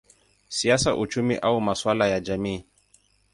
siasa, uchumi au masuala ya jamii.